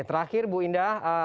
terakhir bu indah